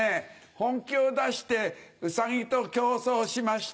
本気を出してウサギと競争しました。